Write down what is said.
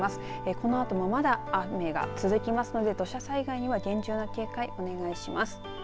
このあともまだ雨が続きますので土砂災害には厳重な警戒をお願いします。